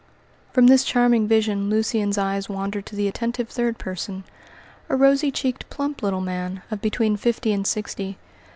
From this charming vision Lucian's eyes wandered to the attentive third person, a rosy cheeked, plump little man, of between fifty and sixty.